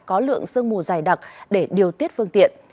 có lượng sương mù dày đặc để điều tiết phương tiện